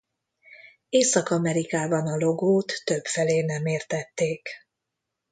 Észak-Amerikában a logót többfelé nem értették.